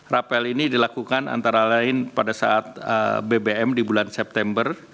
rapel ini dilakukan antara lain pada saat bbm di bulan september